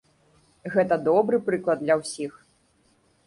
Гэта добры прыклад для ўсіх.